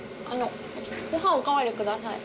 ご飯おかわりください。